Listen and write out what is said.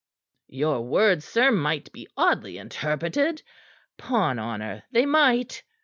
"Your words, sir, might be oddly interpreted. 'Pon honor, they might!"